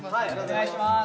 お願いします。